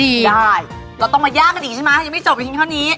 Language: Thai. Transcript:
ได้เราต้องมายากกันอีกใช่ไหมยังไม่จบอีกเพียงเท่านี้